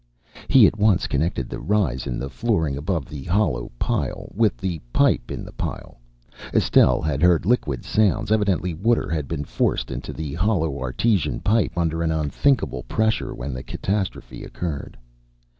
He at once connected the rise in the flooring above the hollow pile with the pipe in the pile. Estelle had heard liquid sounds. Evidently water had been forced into the hollow artesian pipe under an unthinkable pressure when the catastrophe occurred.